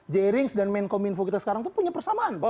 jering dan menkominfo kita sekarang punya persamaan